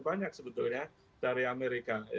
banyak sebetulnya dari amerika